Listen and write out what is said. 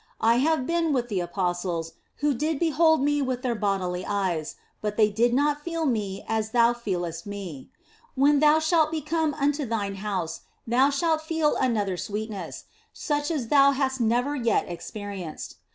I have been with the apostles, who did behold Me with their bodily eyes, but they did not feel Me as thou feelest Me. When thou shalt be come unto thine house thou shalt feel another sweetness, such as thou hast never yet experienced.